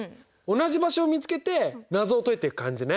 同じ場所を見つけて謎を解いていく感じね。